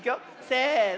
せの。